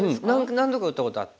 何度か打ったことあって。